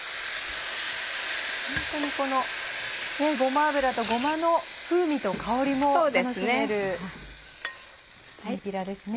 ホントにこのごま油とごまの風味と香りも楽しめるきんぴらですね。